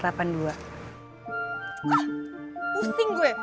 wah pusing gue